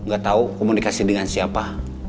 gak tahu komunikasi dengan siapa